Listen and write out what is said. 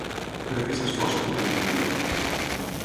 Per a què s'esforça tot individu?